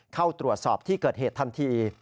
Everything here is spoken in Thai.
เข้าตรวจสอบที่เกิดเหตุทันที